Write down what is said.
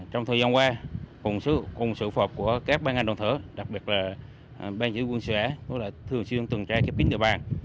trong thời gian qua cùng sự phục của các ban ngành đoàn thể đặc biệt là ban giữ quân xã thường xuyên tuần trai kiếp kín địa bàn